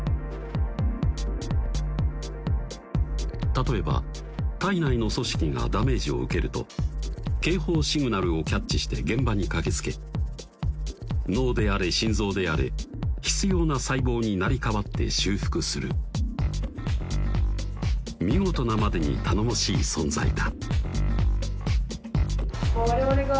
例えば体内の組織がダメージを受けると警報シグナルをキャッチして現場に駆けつけ脳であれ心臓であれ必要な細胞に成り代わって修復する見事なまでに頼もしい存在だ